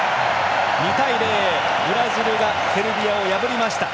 ２対０、ブラジルがセルビアを破りました。